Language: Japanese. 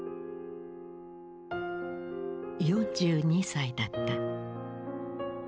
４２歳だった。